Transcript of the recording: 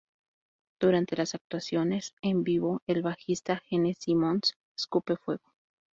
Durante las actuaciones en vivo, el bajista Gene Simmons escupe fuego.